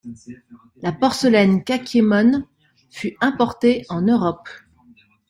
La porcelaine Kakiémon fut importée en Europe.